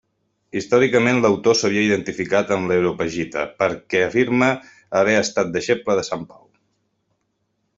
Històricament l'autor s'havia identificat amb l'Areopagita perquè afirma haver estat deixeble de Sant Pau.